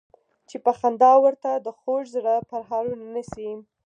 چې په خندا ورته د خوږ زړه پرهارونه نه شي.